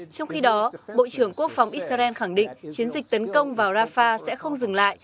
trong khi đó bộ trưởng quốc phòng israel khẳng định chiến dịch tấn công vào rafah sẽ không dừng lại